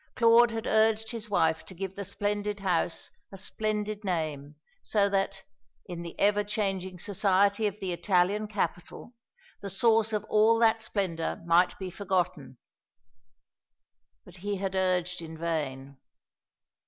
Claude had urged his wife to give the splendid house a splendid name; so that, in the ever changing society of the Italian capital, the source of all that splendour might be forgotten; but he had urged in vain.